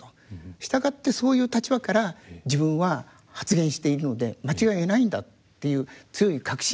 従ってそういう立場から自分は発言しているので間違いないんだっていう強い確信があったというふうに思います。